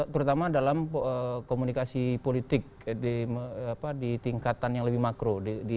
terutama dalam komunikasi politik di tingkatan yang lebih makro